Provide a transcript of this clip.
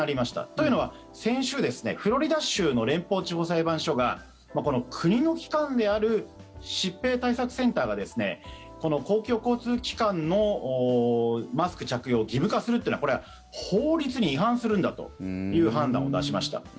というのは先週フロリダ州の連邦地方裁判所が国の機関である疾病対策センターが公共交通機関のマスク着用を義務化するというのはこれは法律に違反するんだという判断を出しました。